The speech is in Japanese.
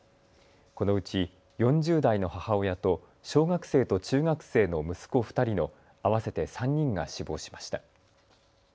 このうち４０代の母親と小学生と中学生の息子２人の合わせて３人が死亡しました。